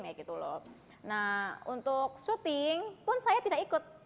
nah untuk syuting pun saya tidak ikut